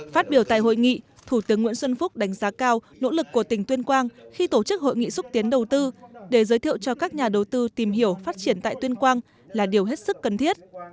phát biểu tại hội nghị thủ tướng nguyễn xuân phúc đánh giá cao nỗ lực của tỉnh tuyên quang khi tổ chức hội nghị xúc tiến đầu tư để giới thiệu cho các nhà đầu tư tìm hiểu phát triển tại tuyên quang là điều hết sức cần thiết